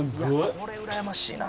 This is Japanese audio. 「これうらやましいな。